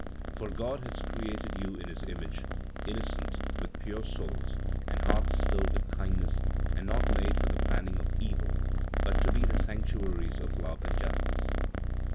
"For God has created you in His own image, innocent, with pure souls, and hearts filled with kindness and not made for the planning of evil, but to be the sanctuaries of love and justice.